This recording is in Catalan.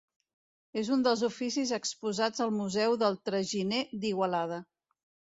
És un dels oficis exposats al Museu del Traginer d'Igualada.